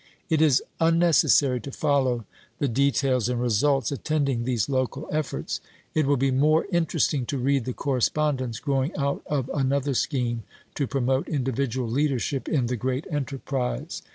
It is unnecessary to follow the details and results attending these local efforts. It will be more in teresting to read the correspondence growing out of another scheme to promote individual leadership in the great enterprise.